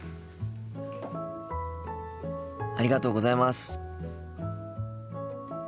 ありがとうございます。